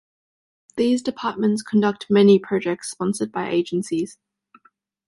These departments conduct many projects sponsored by agencies.